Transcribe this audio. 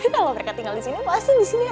kalau mereka tinggal disini pasti disini rame